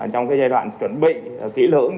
trong cái giai đoạn chuẩn bị kỹ lưỡng